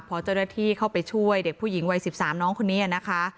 พอเจ้าหน้าที่เข้าไปช่วยเด็กผู้หญิงวัย๑๓น้องคนนี้นะคะ